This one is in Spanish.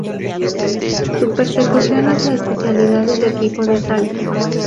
Su persecución es la especialidad del Equipo de Asalto.